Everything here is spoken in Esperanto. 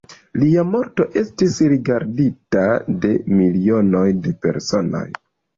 Lia morto estis rigardita de milionoj de personoj.